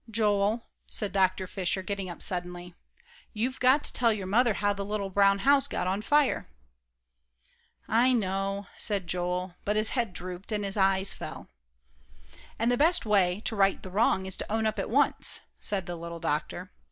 "Joel," said Dr. Fisher, getting up suddenly, "you've got to tell your mother how the little brown house got on fire." "I know it," said Joel, but his head drooped, and his eyes fell. "And the best way to right the wrong is to own up at once," said the little doctor.